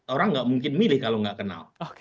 orang nggak mungkin milih kalau nggak kenal